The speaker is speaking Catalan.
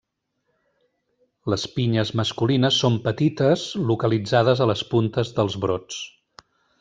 Les pinyes masculines són petites localitzades a les puntes dels brots.